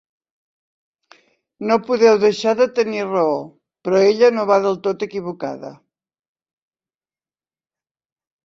No podeu deixar de tenir raó; però ella no va del tot equivocada...